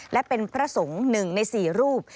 และเป็นพระสงฆ์หนึ่งในสี่รูป